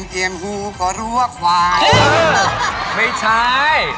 เนี่ยไม่น่าเยอะให้เขามาฟ่า